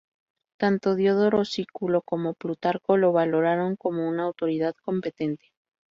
Tanto Diodoro Sículo como Plutarco lo valoraron como una autoridad competente.